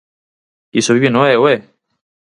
Iso vivino eu, ¡eh!